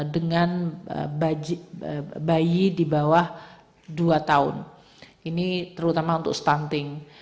dengan bayi di bawah dua tahun ini terutama untuk stunting